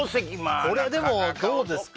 なかなかこれでもどうですか？